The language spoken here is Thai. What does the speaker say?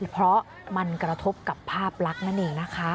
เพราะมันกระทบกับภาพลักษณ์นั่นเองนะคะ